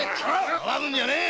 騒ぐんじゃねえ！